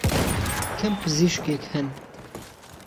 کهم پزیشکێک ههن